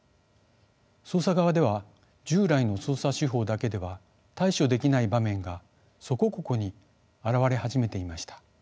捜査側では従来の捜査手法だけでは対処できない場面がそこここに現れ始めていました。